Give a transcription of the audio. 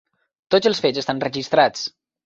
Tots els fets estan registrats.